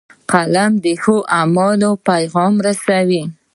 قلم د ښو عملونو پیغام رسوي